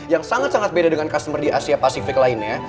yang sangat sangat beda dengan customer di asia pasifik lainnya